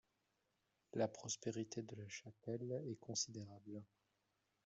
La prospérité de la chapelle est considérable.